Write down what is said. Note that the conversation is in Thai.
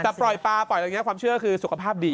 แต่ปล่อยปลาปล่อยอะไรอย่างนี้คือสุขภาพดี